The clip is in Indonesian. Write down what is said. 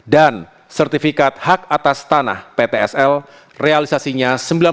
dan sertifikat hak atas tanah ptsl realisasinya sembilan puluh enam dua puluh empat